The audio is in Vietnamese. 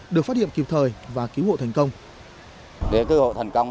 được phát hiện kịp thời và cứu hộ thành công